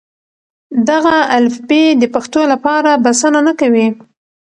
دغه الفبې د پښتو لپاره بسنه نه کوي.